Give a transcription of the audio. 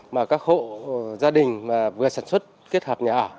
mà các hộ gia đình mà vừa sản xuất kết hợp nhà ở